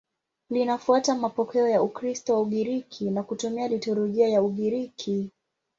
Linafuata mapokeo ya Ukristo wa Ugiriki na kutumia liturujia ya Ugiriki.